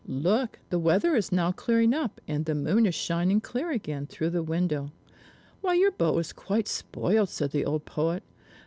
Look, the weather is now clearing up, and the moon is shining clear again through the window." "Why, your bow is quite spoiled," said the old poet.